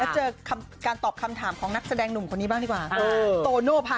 เจอการตอบคำถามของนักแสดงหนุ่มคนนี้บ้างดีกว่า